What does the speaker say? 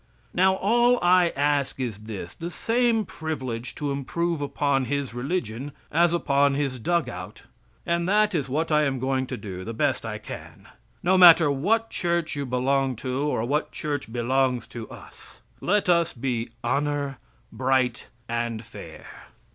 Now, all I ask is this the same privilege to improve upon his religion as upon his dug out, and that is what I am going to do, the best I can. No matter what church you belong to, or what church belongs to us. Let us be honor bright and fair.